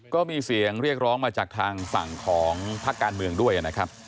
ก็มีเสียงเรียกร้องมาจากทางฝั่งของภาคการเมืองด้วยนะครับ